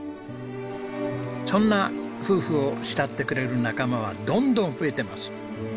そんな夫婦を慕ってくれる仲間はどんどん増えてます。